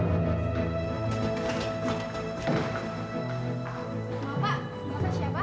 bapak bapak siapa